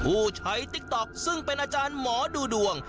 ผู้ใช้ติ๊กต๊อกซึ่งเป็นอาจารย์หมอดูดวง